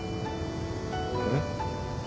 えっ。